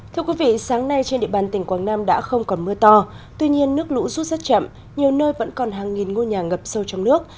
thưa quý vị sáng nay trên địa bàn tỉnh quảng nam đã không còn mưa to tuy nhiên nước lũ rút rất chậm nhiều nơi vẫn còn hàng nghìn ngôi nhà ngập sâu trong nước